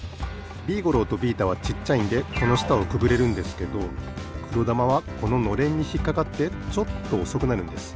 ビーゴローとビータはちっちゃいんでこのしたをくぐれるんですけどくろだまはこののれんにひっかかってちょっとおそくなるんです。